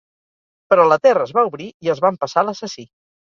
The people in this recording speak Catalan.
Però la terra es va obrir i es va empassar l'assassí.